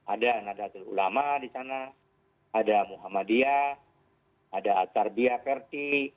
ada nadatul ulama di sana ada muhammadiyah ada tarbiah ferti